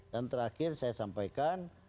dan terakhir saya sampaikan